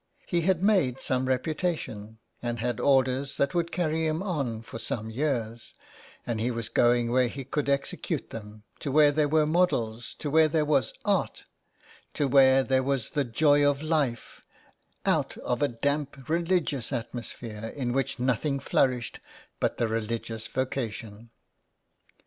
He had made some reputation, and had orders that would carry him on for some years, and he was going where he could execute them, to where there were models, to where there was art, to where there was the joy of life, out of a damp, religious atmosphere in which nothing flourished but the religious voca tion.